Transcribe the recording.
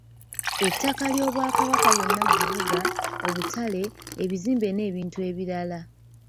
Ettaka ly'Obwakabaka lyonna mu bibuga, obutale , ebizimbe n'ebintu ebirala.